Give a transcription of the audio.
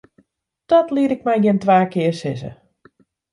Dat liet ik my gjin twa kear sizze.